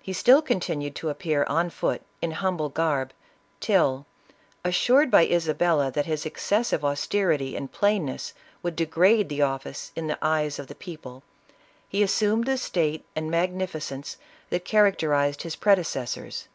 He still continued to appear on foot, in humble garb, till assured by Isabella that his excessive austerity and plainness would degrade the office in the eyes of the people, he assumed the state and magnificence that characterized his predecessors.